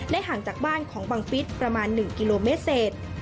ห่างจากบ้านของบังฟิศประมาณ๑กิโลเมตรเศษ